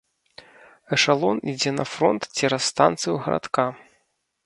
Эшалон ідзе на фронт цераз станцыю гарадка.